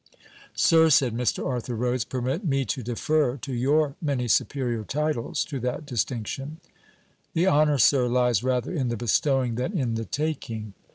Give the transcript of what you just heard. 'Sir,' said Mr. Arthur Rhodes, 'permit me to defer to your many superior titles to that distinction.' 'The honour, sir, lies rather in the bestowing than in the taking.'